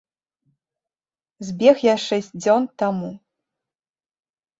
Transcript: Збег я шэсць дзён таму.